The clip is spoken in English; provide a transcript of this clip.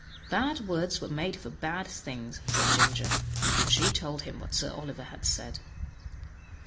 "Bad words were made for bad things," said Ginger, and she told him what Sir Oliver had said.